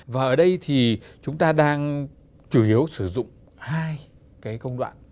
và ở đây thì chúng ta đang chủ yếu sử dụng hai cái công đoạn